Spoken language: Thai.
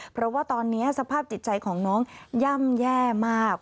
เพราะว่าตอนนี้สภาพจิตใจของน้องย่ำแย่มาก